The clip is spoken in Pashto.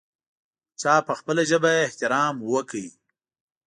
چا په خپله ژبه احترام وکړ.